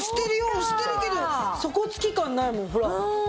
押してるけど底つき感ないもんほら。